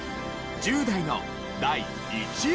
１０代の第１位は？